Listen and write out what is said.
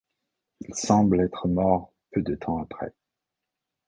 Il semble être mort peu de temps après.